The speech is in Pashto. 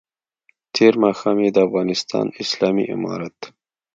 تېر ماښام یې د افغانستان اسلامي امارت